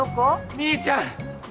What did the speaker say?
ミーちゃん！